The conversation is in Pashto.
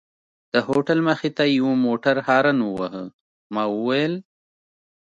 د هوټل مخې ته یوه موټر هارن وواهه، ما وویل.